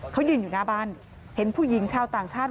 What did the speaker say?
เขายืนอยู่หน้าบ้านเห็นผู้หญิงชาวต่างชาติ